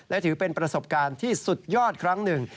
และถือเป็นประสบการณ์ที่สุดยอดครั้งหนึ่ง